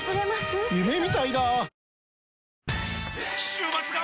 週末が！！